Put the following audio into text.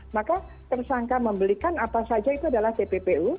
maka tersangka membelikan apa saja itu adalah tppu